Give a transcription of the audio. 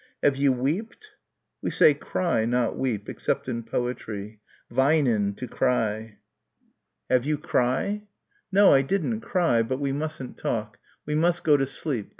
"Have you weeped?" "We say cry, not weep, except in poetry weinen, to cry." "Have you cry?" "No, I didn't cry. But we mustn't talk. We must go to sleep.